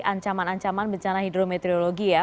ancaman ancaman bencana hidrometeorologi ya